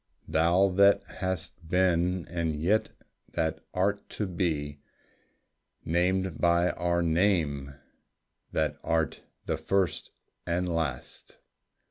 Thou that hast been and yet that art to be Named by our name, that art the First and Last!